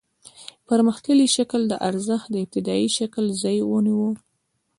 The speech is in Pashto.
پرمختللي شکل د ارزښت د ابتدايي شکل ځای ونیو